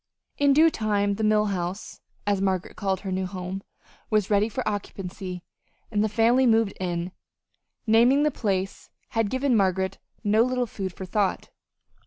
In due time the Mill House, as Margaret called her new home, was ready for occupancy, and the family moved in. Naming the place had given Margaret no little food for thought.